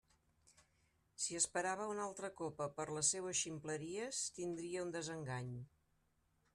Si esperava una altra copa per les seues ximpleries, tindria un desengany!